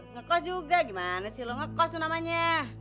ngekos juga gimana sih lo ngekos tuh namanya